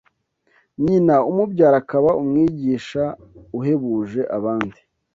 nyina umubyara akaba umwigisha uhebuje abandi